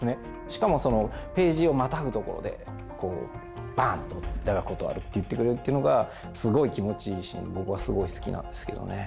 しかもそのページをまたぐところでバーンと「だが断る」って言ってくれるっていうのがすごい気持ちいいシーンで僕はすごい好きなんですけどね。